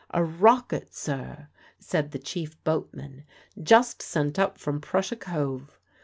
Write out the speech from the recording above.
"A rocket, sir," said the chief boatman; "just sent up from Prussia Cove."